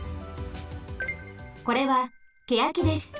これはケヤキです。